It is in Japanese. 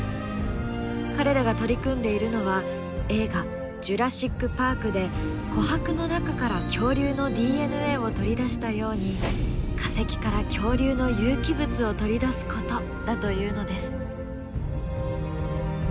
彼らが取り組んでいるのは映画「ジュラシック・パーク」で琥珀の中から恐竜のＤＮＡを取り出したように化石から恐竜の有機物を取り出すことだというのです。